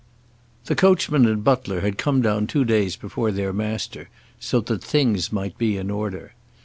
The coachman and butler had come down two days before their master, so that things might be in order.